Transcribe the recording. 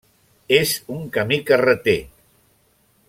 És un camí carreter.